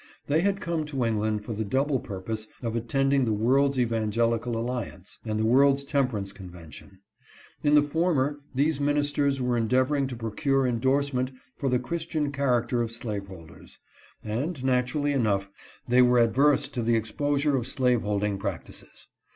They had come to England for the double purpose of attending the World's Evangelical Alliance, and the World's Temper ance Convention. In the former these ministers were endeavoring to procure endorsement for the Christian character of slaveholders ; and, naturally enough, they were adverse to the exposure of slaveholding practices.